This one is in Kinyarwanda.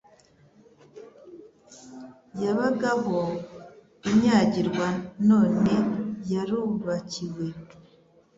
yabagaho inyagirwa none yarubakiwe